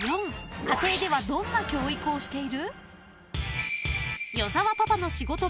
家庭ではどんな教育をしている？］